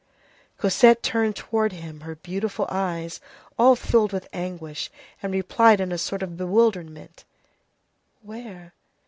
Cosette turned toward him her beautiful eyes, all filled with anguish, and replied in a sort of bewilderment:— "Where?"